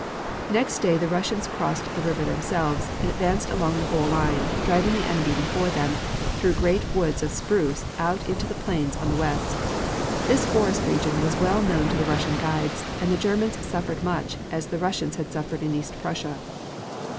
Next day the Russians crossed the river themselves, and advanced along the whole line, driving the enemy before them, through great woods of spruce out into the plains on the west. This forest region was well known to the Russian guides, and the Germans suffered much as the Russians had suffered in East Prussia.